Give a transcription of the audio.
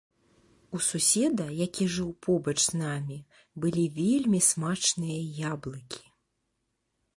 У суседа, які жыў побач з намі, былі вельмі смачныя яблыкі.